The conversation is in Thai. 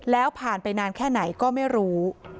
แล้วผ่านไปนานแค่ไหนก็ไม่รู้